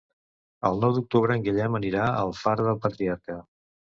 El nou d'octubre en Guillem anirà a Alfara del Patriarca.